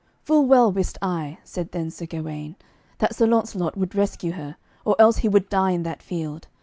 "Full well wist I," said then Sir Gawaine, "that Sir Launcelot would rescue her, or else he would die in that field.